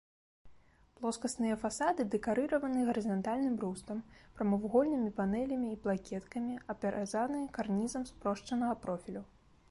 Плоскасныя фасады дэкарыраваны гарызантальным рустам, прамавугольнымі панэлямі і плакеткамі, апяразаны карнізам спрошчанага профілю.